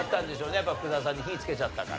やっぱ福澤さんに火つけちゃったから。